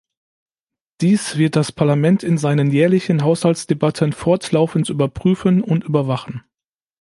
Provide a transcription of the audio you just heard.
Dies wird das Parlament in seinen jährlichen Haushaltsdebatten fortlaufend überprüfen und überwachen.